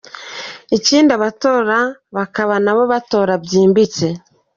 Ikindi abatora bakaba nabo batora byimbitse.